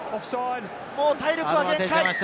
もう体力は限界。